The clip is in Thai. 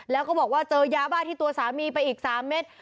แล้วก็บอกว่าเจอยาบ้าที่ตัวสามีไปอีก๓เม็ด